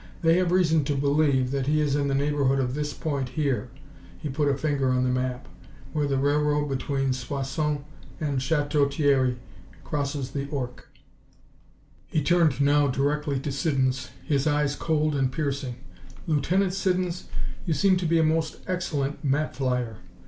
They have reason to believe that he is in the neighborhood of this point here," he put a finger on the map "where the railroad between Soissons and Chateau Thierry crosses the Ourcq." He turned now directly to Siddons, his eyes cold and piercing. "Lieutenant Siddons, you seem to be a most excellent map flyer.